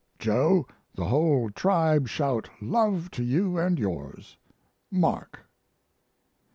Joe, the whole tribe shout love to you & yours! MARK.